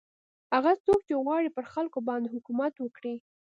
هغه څوک چې غواړي پر خلکو باندې حکومت وکړي.